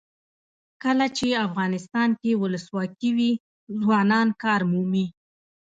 کله چې افغانستان کې ولسواکي وي ځوانان کار مومي.